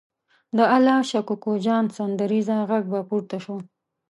د الله شا کوکو جان سندریزه غږ به پورته شو.